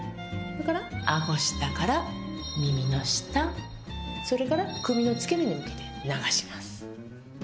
顎下から耳の下それから首の付け根に向けて流します。